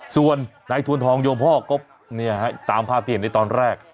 ส่วนนายทวนทองโยพ่ก็เนี่ยฮะตามพาเตียนในตอนแรก